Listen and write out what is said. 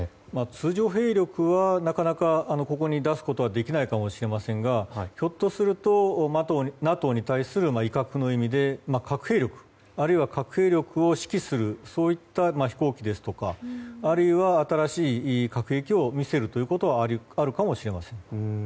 通常兵力はなかなかここに出すことはできないかもしれませんがひょっとするとＮＡＴＯに対する威嚇の意味で核兵力あるいは核兵力を指揮するそういった飛行機ですとかあるいは新しい核兵器を見せることはあるかもしれません。